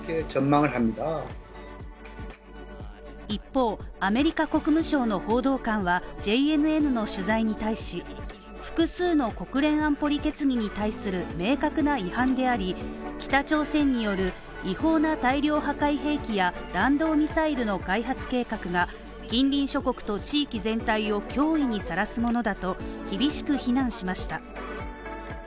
一方、アメリカ国務省の報道官はＪＮＮの取材に対し複数の国連安保理決議に対する明確な違反であり、北朝鮮による違法な大量破壊兵器や弾道ミサイルの開発計画が近隣諸国と地域全体を脅威にさらすものだと厳しく非難しました。